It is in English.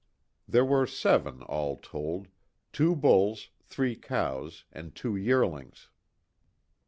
There were seven all told, two bulls, three cows, and two yearlings.